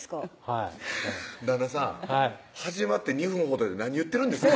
はい旦那さん始まって２分ほどで何言ってるんですか？